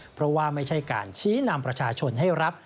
เพราะว่าไม่ใช่การชี้นำประชาชนให้รับ